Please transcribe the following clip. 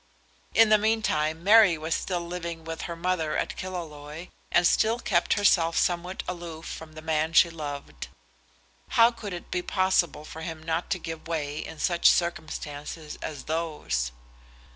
In the meantime Mary was still living with her mother at Killaloe, and still kept herself somewhat aloof from the man she loved. How could it be possible for him not to give way in such circumstances as those?